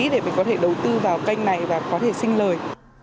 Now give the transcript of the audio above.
để mình có thể đầu tư vào kênh này và có thể sinh lời